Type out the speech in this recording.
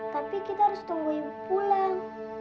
tapi kita harus tunggu ibu pulang